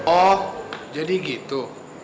oh jadi gitu